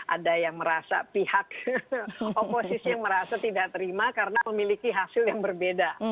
ada yang merasa pihak oposisi yang merasa tidak terima karena memiliki hasil yang berbeda